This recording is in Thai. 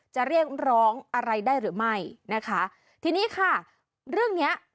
จะเรียกร้องอะไรได้หรือไม่นะคะทีนี้ค่ะเรื่องเนี้ย